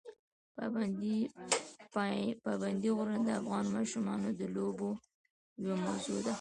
پابندي غرونه د افغان ماشومانو د لوبو یوه موضوع ده.